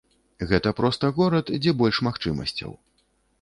Гэта проста горад, дзе больш магчымасцяў.